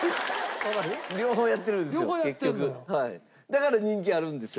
だから人気あるんですよ